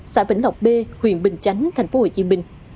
xã vĩnh lộc b huyện bình chánh tp hcm